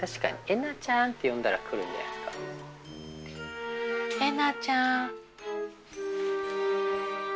「笑菜ちゃん」って呼んだら来るんじゃないですか。笑